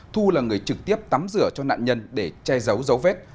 thu là người trực tiếp tắm rửa cho nạn nhân để che giấu dấu vết